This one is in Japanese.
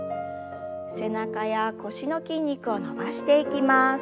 背中や腰の筋肉を伸ばしていきます。